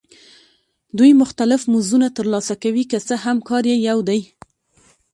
دوی مختلف مزدونه ترلاسه کوي که څه هم کار یې یو دی